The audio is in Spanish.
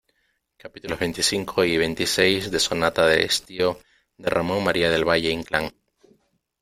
capítulos veinticinco y veintiséis de Sonata de estío , de Ramón María del Valle-Inclán .